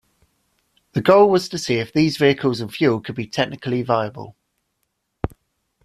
The goal was to see if these vehicles and fuel could be technically viable.